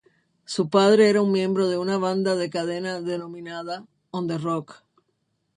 Su padre era un miembro de una banda de cadena denominada "On The Rock".